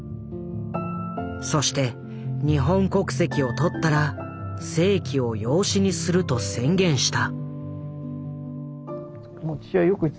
そして日本国籍を取ったら誠己を養子にすると宣言した。